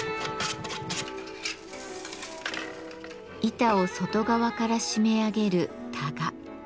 板を外側から締め上げる「タガ」。